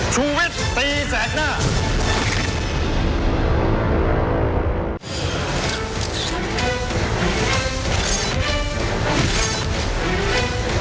ชูเวชตีแสงหน้า